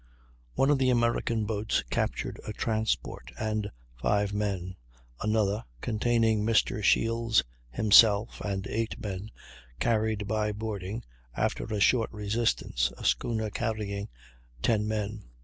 One of the American boats captured a transport and five men; another, containing Mr. Shields himself and eight men, carried by boarding, after a short resistance, a schooner carrying ten men.